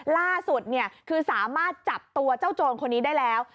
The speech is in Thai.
ล่าสุดคือสามารถจับตัวเจ้าโจรคนนี้ได้แล้ว